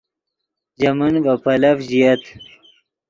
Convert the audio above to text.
ژے من ڤے پیلف ژییت